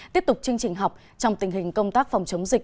tiếp tục chương trình học trong tình hình công tác phòng chống dịch